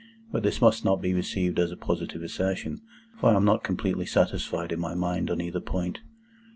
But this must not be received as a positive assertion, for I am not completely satisfied in my mind on either point.